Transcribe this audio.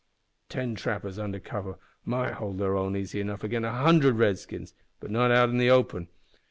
"Ten trappers under cover might hold their own easy enough agin a hundred Redskins, but not in the open.